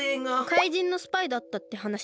かいじんのスパイだったってはなし？